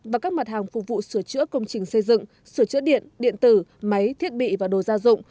và các mặt hàng phục vụ sửa chữa công trình xây dựng sửa chữa điện điện tử máy thiết bị và đồ gia dụng